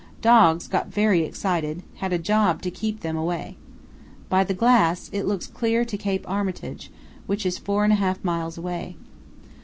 Dogs got very excited; had a job to keep them away. By the glass it looked clear right to Cape Armitage, which is four and a half miles away.